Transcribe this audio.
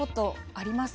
あります。